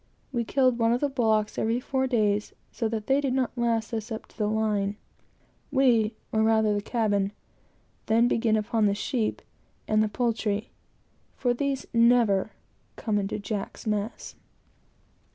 We killed one of the bullocks every four days, so that they did not last us up to the line. We, or, rather, they, then began upon the sheep and the poultry, for these never come into Jack's mess.